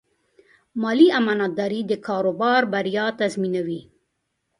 مالي امانتداري د کاروبار بریا تضمینوي.